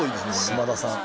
島田さん。